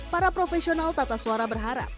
para profesional tata suara berharap